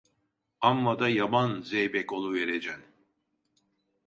Amma da yaman zeybek oluvericen!